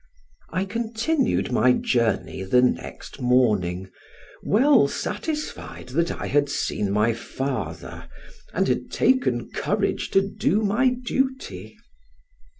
I continued my journey the next morning, well satisfied that I had seen my father, and had taken courage to do my duty.